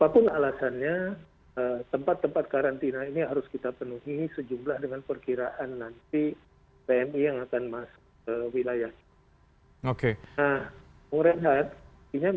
kalau varian barunya jumlahnya